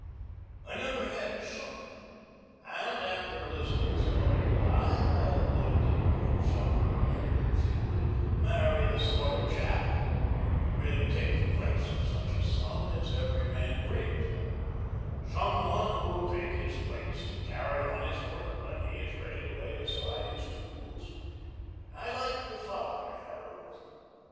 "I never had a son, and after Elizabeth's mother died I have lived in the hope somehow that she would marry the sort of chap who would really take the place of such a son as every man dreams of some one who will take his place and carry on his work when he is ready to lay aside his tools. I liked your father, Harold.